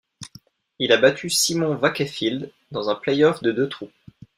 Il a battu Simon Wakefield dans un playoff de deux trous.